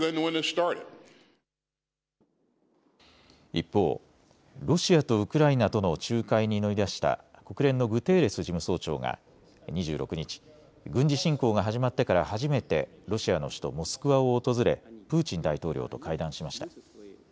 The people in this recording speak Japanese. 一方、ロシアとウクライナとの仲介に乗り出した国連のグテーレス事務総長が２６日、軍事侵攻が始まってから初めてロシアの首都モスクワを訪れプーチン大統領と会談しました。